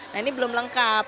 nah ini belum lengkap